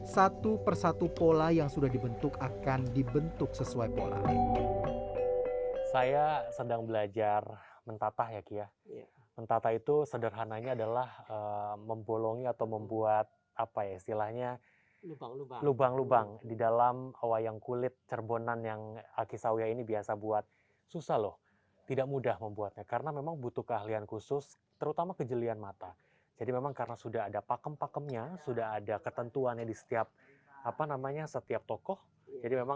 satu persatu pola yang sudah dibentuk akan dibentuk sesuai pola